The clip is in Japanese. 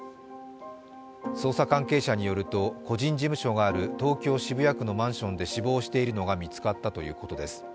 捜査関係者によると、個人事務所がある東京・渋谷区のマンションで死亡しているのが見つかったということです。